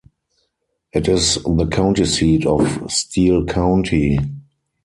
It is the county seat of Steele County.